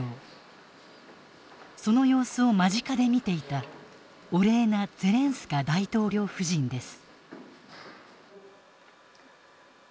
その様子を間近で見ていたオレーナ・ゼレンスカ大統領夫人です。